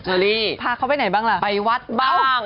ลี่พาเขาไปไหนบ้างล่ะไปวัดบ้าง